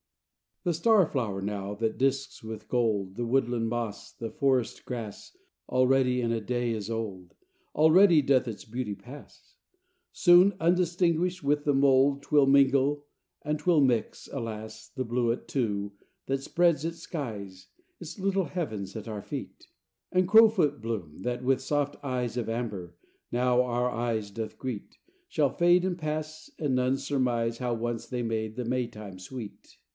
IX The star flower now, that disks with gold The woodland moss, the forest grass, Already in a day is old, Already doth its beauty pass; Soon, undistinguished, with the mould 'Twill mingle and 'twill mix, alas. The bluet, too, that spreads its skies, Its little heavens, at our feet; And crowfoot bloom, that, with soft eyes Of amber, now our eyes doth greet, Shall fade and pass, and none surmise How once they made the Maytime sweet.